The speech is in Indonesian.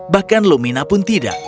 bahkan lumina pun tidak